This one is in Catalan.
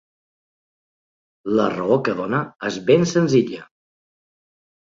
La raó que dóna és ben senzilla.